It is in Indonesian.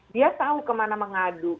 dia tahu kemana mengadu